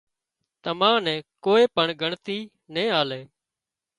تمان نين ڪوئي پڻ ڳڻتي نين آلي